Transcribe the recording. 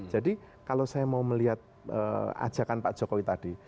jadi kalau saya mau melihat ajakan pak jokowi tadi